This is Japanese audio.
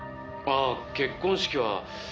「ああ結婚式は」